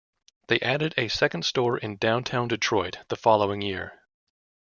They added a second store in downtown Detroit the following year.